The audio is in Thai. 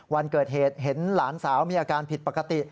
วันเกิดเหตุเห็นหลานสาวมีอาการผิดปกติ